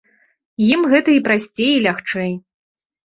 Ім гэта і прасцей, і лягчэй.